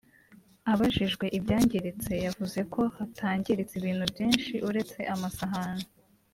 Abajijwe ibyangiritse yavuze ko hatangiritse ibintu byinshi uretse amasahani